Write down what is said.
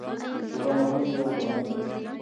ټولنه ولې یو بدن دی؟